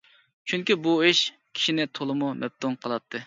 چۈنكى بۇ ئىش كىشىنى تولىمۇ مەپتۇن قىلاتتى.